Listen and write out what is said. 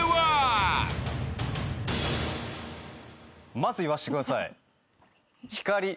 まず言わしてください。